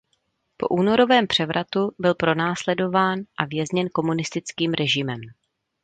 Po únorovém převratu byl pronásledován a vězněn komunistickým režimem.